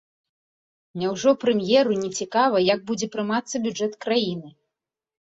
Няўжо прэм'еру нецікава, як будзе прымацца бюджэт краіны?